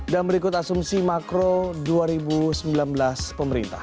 dan berikut asumsi makro dua ribu sembilan belas pemerintah